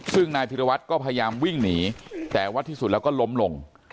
ซึ่งนายพิรวัตรก็พยายามวิ่งหนีแต่ว่าที่สุดแล้วก็ล้มลง